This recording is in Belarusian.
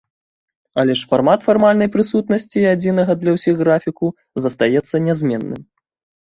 Але ж фармат фармальнай прысутнасці і адзінага для ўсіх графіку застаецца нязменным.